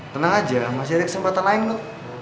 tenang aja masih ada kesempatan lain loh